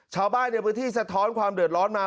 ชาวบ้านในพื้นที่สะท้อนความเดือดร้อนมา